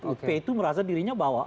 epi itu merasa dirinya bahwa